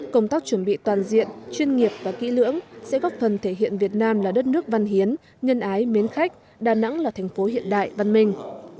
công tác chuẩn bị toàn diện chuyên nghiệp và kỹ lưỡng sẽ góp phần thể hiện việt nam là đất nước văn hiến nhân ái mến khách đà nẵng là thành phố hiện đại văn minh